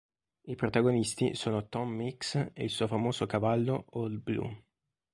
I protagonisti sono Tom Mix e il suo famoso cavallo Old Blue.